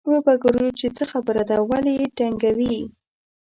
وبه ګورو چې څه خبره ده ولې یې ډنګوي.